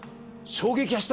衝撃。